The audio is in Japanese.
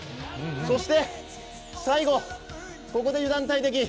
そして最後、ここで油断大敵。